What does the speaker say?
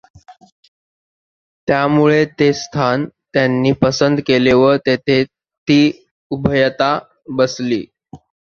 यामुळे ते स्थान त्यांनी पसंत केले व तेथे ती उभयता बसली.